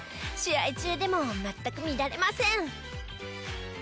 試合中でも全く乱れません。